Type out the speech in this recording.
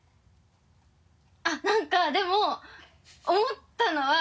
あっなんかでも思ったのは。